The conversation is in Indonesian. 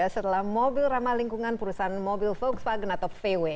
setelah mobil ramah lingkungan perusahaan mobil volkspagen atau vw